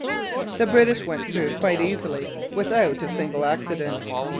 The British went through quite easily, without a single accident.